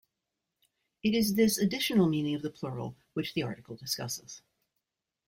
It is this additional meaning of the plural which the article discusses.